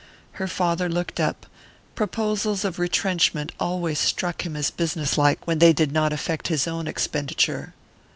Her father looked up: proposals of retrenchment always struck him as business like when they did not affect his own expenditure.